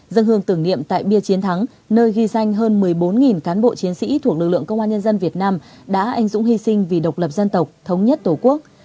dân hương tưởng niệm tại bia chiến thắng nơi ghi danh hơn một mươi bốn cán bộ chiến sĩ thuộc lực lượng công an nhân dân việt nam đã anh dũng hy sinh vì độc lập dân tộc thống nhất tổ quốc